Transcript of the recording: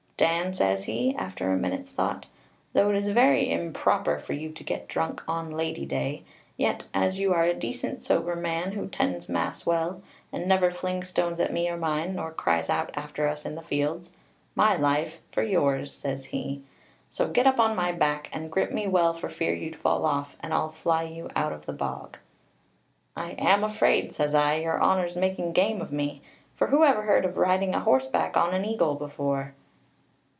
'Dan,' says he, after a minute's thought, 'though it is very improper for you to get drunk on Lady day, yet as you are a decent sober man, who 'tends mass well, and never fling stones at me or mine, nor cries out after us in the fields my life for yours,' says he; 'so get up on my back, and grip me well for fear you'd fall off, and I'll fly you out of the bog.' 'I am afraid,' says I, 'your honour's making game of me; for who ever heard of riding a horseback on an eagle before?'